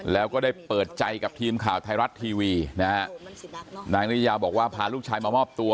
แล้วก็ได้เปิดใจกับทีมข่าวไทยรัฐทีวีนะฮะนางนิยาบอกว่าพาลูกชายมามอบตัว